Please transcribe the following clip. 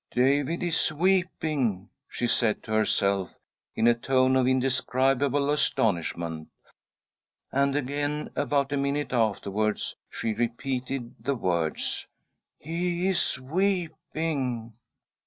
" David is weeping !" she said to herself, in a tone of indescribable astonishment ; and again, about a minute afterwards, she repeated the words :" He is weeping